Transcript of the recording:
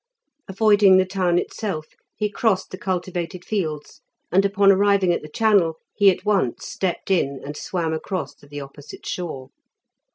Avoiding the town itself, he crossed the cultivated fields, and upon arriving at the channel he at once stepped in, and swam across to the opposite shore.